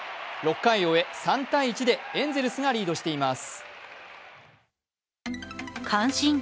６回を終え３−１でエンゼルスがリードしています。